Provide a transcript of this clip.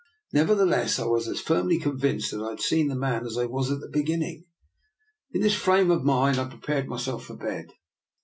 Nevertheless, I was as firmly convinced that I had seen the man as I was at the beginning. In this frame of mind I pre pared myself for bed.